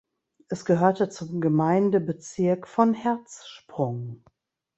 Es gehörte zum Gemeindebezirk von Herzsprung.